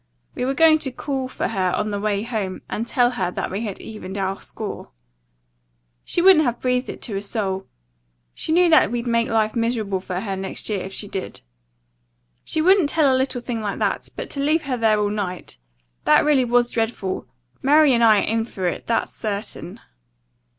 We were going to call for her on the way home, and tell her that we had evened our score. She wouldn't have breathed it to a soul. She knew that we'd make life miserable for her next year if she did. She wouldn't tell a little thing like that, but to leave her there all night. That really was dreadful. Mary and I are in for it. That's certain."